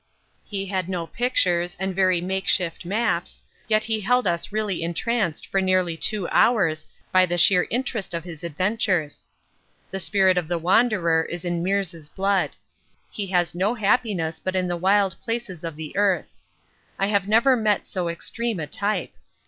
He had no pictures and very makeshift maps, yet he held us really entranced for nearly two hours by the sheer interest of his adventures. The spirit of the wanderer is in Meares' blood: he has no happiness but in the wild places of the earth. I have never met so extreme a type.